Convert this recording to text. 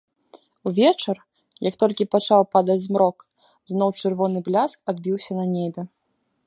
Увечар, як толькі пачаў падаць змрок, зноў чырвоны бляск адбіўся на небе.